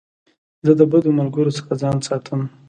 زه د بدو ملګرو څخه ځان ساتم.